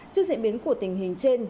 trước diễn biến của tình hình trên